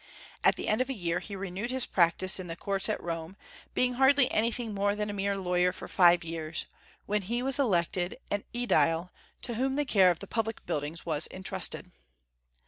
At the end of a year he renewed his practice in the courts at Rome, being hardly anything more than a mere lawyer for five years, when he was elected an Aedile, to whom the care of the public buildings was intrusted.